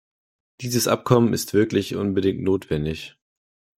Dieses Abkommen ist wirklich unbedingt notwendig.